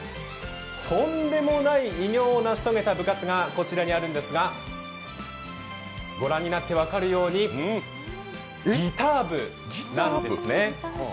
とんでもない偉業を成し遂げた部活がこちらにあるんですがご覧になって分かるようにギター部なんですね。